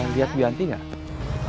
lihat wianti gak